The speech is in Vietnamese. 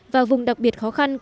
và vùng đặc biệt khó khăn